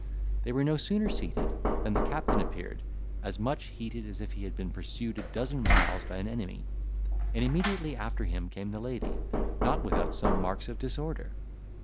They were no sooner seated, than the captain appeared, as much heated as if he had been pursued a dozen miles by an enemy; and immediately after him came the lady, not without some marks of disorder.